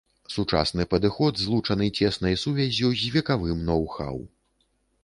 Сучасны падыход злучаны цеснай сувяззю з векавым ноу-хау.